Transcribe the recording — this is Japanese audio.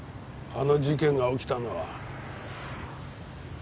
あの事件が起きたのは。